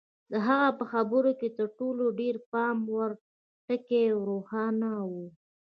د هغه په خبرو کې تر ټولو ډېر د پام وړ ټکی روښانه و.